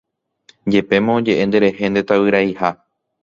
Jepémo oje'e nderehe ndetavyraiha.